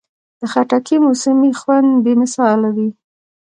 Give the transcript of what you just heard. د خټکي موسمي خوند بې مثاله وي.